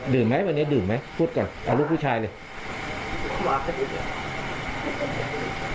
ไหมวันนี้ดื่มไหมพูดกับลูกผู้ชายเลย